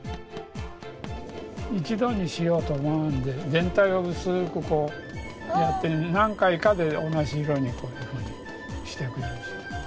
一度にしようと思わんで全体を薄くこうやって何回かで同じ色にこういうふうにして下さい。